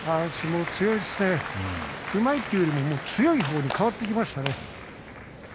うまいというよりも強いほうに変わってきましたね。